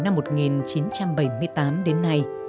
năm một nghìn chín trăm bảy mươi tám đến nay